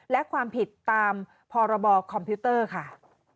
และความผิดตามพรบคคค่ะ